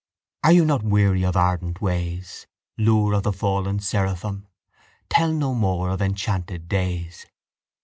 Are you not weary of ardent ways, Lure of the fallen seraphim? Tell no more of enchanted days.